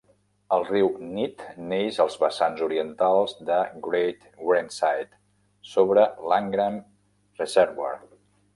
El riu Nidd neix als vessants orientals de Great Whernside, sobre l'Angram Reservoir.